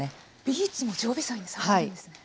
ビーツも常備菜にされてるんですね。